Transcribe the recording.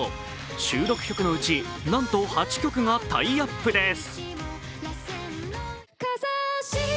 収録曲のうち、なんと８曲がタイアップです。